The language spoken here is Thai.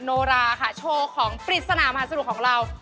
โนราค่ะโชว์ของปริศนามหาสนุกของเรา